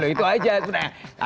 itu aja sebenarnya